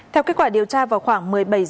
theo kết quả điều tra vào khoảng